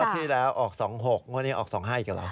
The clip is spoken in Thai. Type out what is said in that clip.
ที่แล้วออก๒๖งวดนี้ออก๒๕อีกเหรอ